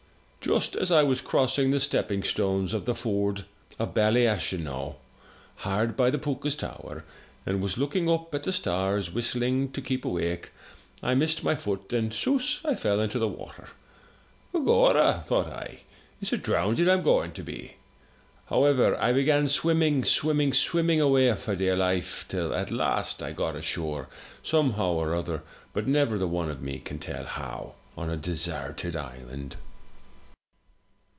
Just as I was crossing the stepping stones of the ford of Bally ashenogh, hard by the Pooka's Tower, and was looking up at the stars, whistling to keep awake, I missed my foot, and souse I fell into the water. Begorra!' thought I, *Is it drounded I'm goin' to be?' However, I began swimming, swimming, swimming away for dear life, till at last I got ashore, somehow or other, but never the one of me can tell how, on a desarted island.